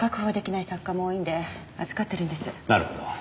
なるほど。